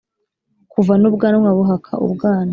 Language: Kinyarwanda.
Kuva n ' ubwanwa buhaka ubwana